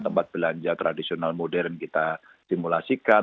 tempat belanja tradisional modern kita simulasikan